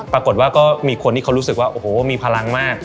ปรากฏว่าก็มีคนที่เขารู้สึกว่าโอ้โหมีพลังมาก